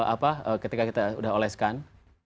apa ketika kita sudah oleskan